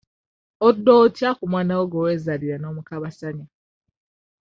Odda otya ku mwana wo gwe weezaalira n'omukabasanya?